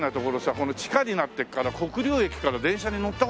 この地下になってから国領駅から電車に乗った事ないんだよ。